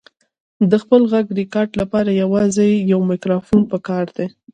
د خپل غږ ریکارډ لپاره یوازې یو مایکروفون پکار دی.